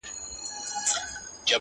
غازي دغه یې وخت دی د غزا په کرنتین کي؛